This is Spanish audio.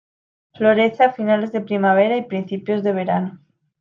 Florece a finales de primavera y principio de verano.